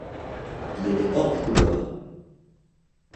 Il était hors du couloir.